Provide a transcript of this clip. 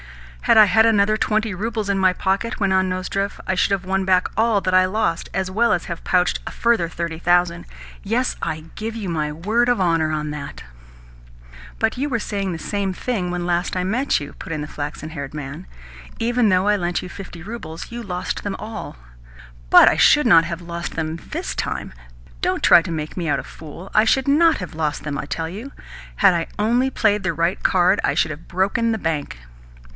"Had I had another twenty roubles in my pocket," went on Nozdrev, "I should have won back all that I have lost, as well as have pouched a further thirty thousand. Yes, I give you my word of honour on that." "But you were saying the same thing when last I met you," put in the flaxen haired man. "Yet, even though I lent you fifty roubles, you lost them all." "But I should not have lost them THIS time. Don't try to make me out a fool. I should NOT have lost them, I tell you. Had I only played the right card, I should have broken the bank."